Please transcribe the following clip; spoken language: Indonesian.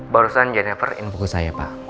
barusan jennifer info saya pak